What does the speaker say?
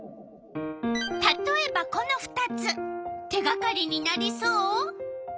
たとえばこの２つ手がかりになりそう？